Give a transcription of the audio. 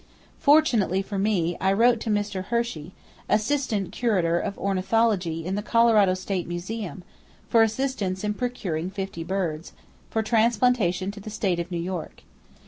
Fortunately for me, I wrote to Mr. Hershey, Assistant Curator of Ornithology in the Colorado State Museum, for assistance in procuring fifty birds, for transplantation to the State of New York.